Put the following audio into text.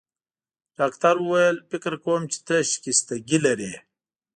ډاکټر وویل: فکر کوم چي ته شکستګي لرې.